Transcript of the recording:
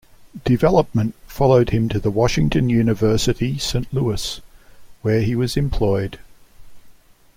Development followed him to the Washington University, Saint Louis, where he was employed.